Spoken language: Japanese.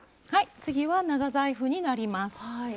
次は長財布になります。